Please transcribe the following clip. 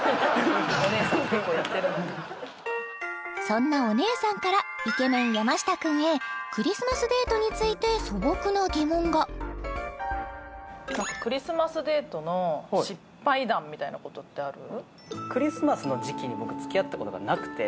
そんなお姉さんからイケメン山下くんへクリスマスデートについて素朴な疑問がクリスマスデートの失敗談みたいなことってある？